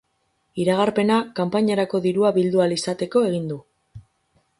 Iragarpena kanpainarako dirua bildu ahal izateko egin du.